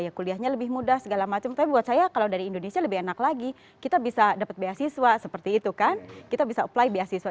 kuliahnya lebih mudah segala macam tapi buat saya kalau dari indonesia lebih enak lagi kita bisa dapat beasiswa seperti itu kan kita bisa apply beasiswa